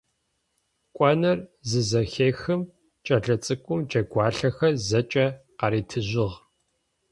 Кӏоныр зызэхехым кӏэлэ цӏыкӏум джэгуалъэхэр зэкӏэ къаритыжьыгъ.